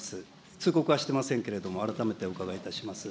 通告はしてませんけれども、改めてお伺いいたします。